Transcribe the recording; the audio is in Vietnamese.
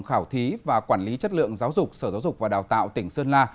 khảo thí và quản lý chất lượng giáo dục sở giáo dục và đào tạo tỉnh sơn la